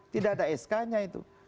tidak ada sk nya itu